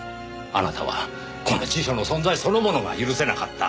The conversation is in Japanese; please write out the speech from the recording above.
あなたはこの辞書の存在そのものが許せなかった。